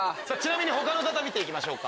他の方見て行きましょうか。